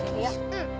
うん。